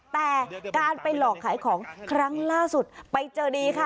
แต่การไปหลอกขายของครั้งล่าสุดไปเจอดีค่ะ